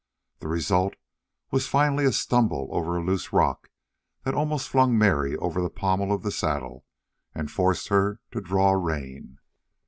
The result was finally a stumble over a loose rock that almost flung Mary over the pommel of the saddle and forced her to draw rein.